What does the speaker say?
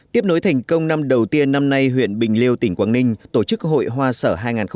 tiếp nối thành công năm đầu tiên năm nay huyện bình liêu tỉnh quảng ninh tổ chức hội hoa sở hai nghìn hai mươi bốn